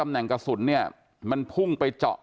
จนกระทั่งหลานชายที่ชื่อสิทธิชัยมั่นคงอายุ๒๙เนี่ยรู้ว่าแม่กลับบ้าน